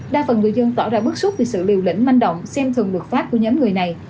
đa phần người dân tỏ ra bức xúc vì sự liều lĩnh manh động xem thường luật pháp của nhóm người này